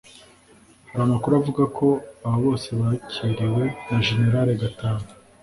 Hari amakuru avuga ko aba bose bakiriwe na général Gatama